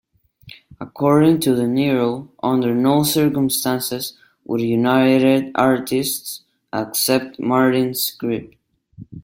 According to De Niro, under no circumstances would United Artists accept Martin's script.